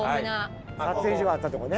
撮影所があったとこね。